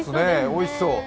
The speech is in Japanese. おいしそう。